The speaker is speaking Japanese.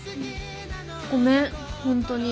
ごめん本当に。